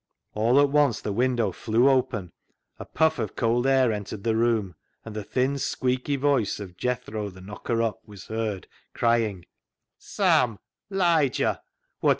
All at once the window flew open, a puff of cold air entered the room, and the thin, squeaky voice of Jethro the knocker up was heard crying — 340 CLOG SHOP CHRONICLES " Sam